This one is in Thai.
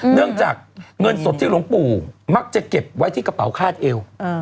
เนื่องจากเงินสดที่หลวงปู่มักจะเก็บไว้ที่กระเป๋าคาดเอว